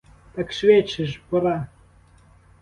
Так швидше ж, пора!